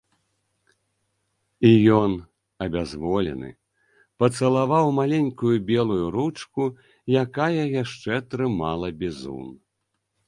І ён, абязволены, пацалаваў маленькую белую ручку, якая яшчэ трымала бізун.